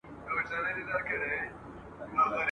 که عادت سي یو ځل خوله په بد ویلو ..